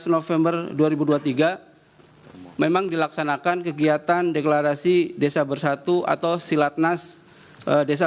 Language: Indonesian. dua belas november dua ribu dua puluh tiga memang dilaksanakan kegiatan deklarasi desa bersatu atau silatnas desa